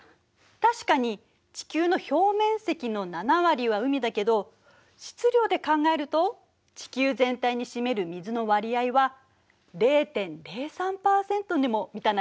確かに地球の表面積の７割は海だけど質量で考えると地球全体に占める水の割合は０．０３％にも満たないのよ。